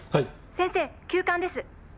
「先生急患です！」